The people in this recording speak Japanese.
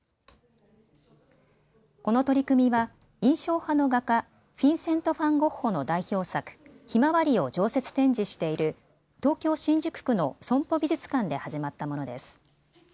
この取り組みは印象派の画家フィンセント・ファン・ゴッホの代表作、ひまわりを常設展示している東京新宿区のＳＯＭＰＯ美術館で始まったものです。